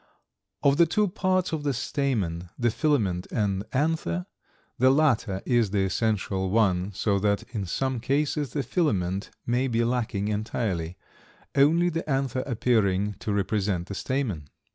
Of the two parts of the stamen, the filament and anther, the latter is the essential one, so that in some cases the filament may be lacking entirely, only the anther appearing to represent the stamen.